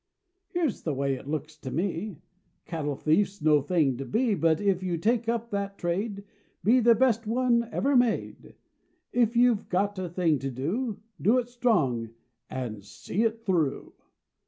Here's the way it looks to me; Cattle thief's no thing to be, But if you take up that trade, Be the best one ever made; If you've got a thing to do Do it strong an' SEE IT THROUGH!